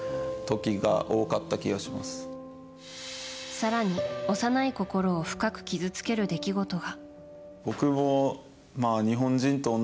更に、幼い心を深く傷つける出来事が。